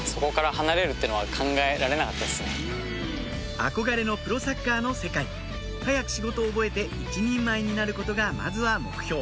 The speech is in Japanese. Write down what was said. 憧れのプロサッカーの世界早く仕事を覚えて一人前になることがまずは目標